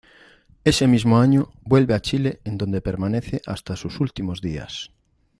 Ese mismo año, vuelve a Chile en donde permanece hasta sus últimos días.